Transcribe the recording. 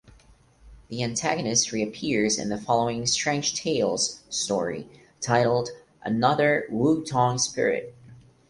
The antagonist reappears in the following "Strange Tales" story titled "Another Wutong Spirit".